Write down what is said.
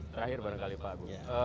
terakhir barangkali pak agung